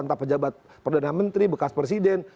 entah pejabat perdana menteri bekas presiden